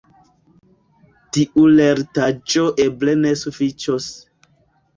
Tiu lertaĵo eble ne sufiĉos.